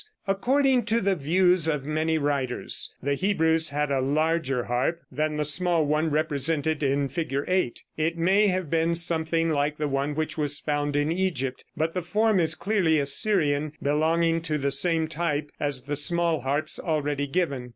According to the views of many writers, the Hebrews had a larger harp than the small one represented in Fig. 8. It may have been something like one which was found in Egypt, but the form is clearly Assyrian, belonging to the same type as the small harps already given.